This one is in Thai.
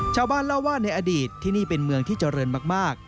ชาวบ้านเล่าว่าในอดีตที่นี่เป็นเมืองที่เจริญมาก